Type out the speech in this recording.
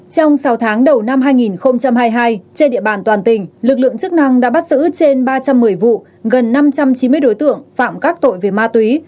trong sáu tháng đầu năm hai nghìn hai mươi hai trên địa bàn toàn tỉnh lực lượng chức năng đã bắt giữ trên ba trăm một mươi vụ gần năm trăm chín mươi đối tượng phạm các tội về ma túy